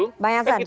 baik banyak banget